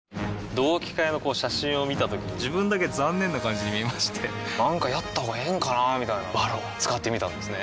同期会の写真を見たときに自分だけ残念な感じに見えましてなんかやったほうがええんかなーみたいな「ＶＡＲＯＮ」使ってみたんですね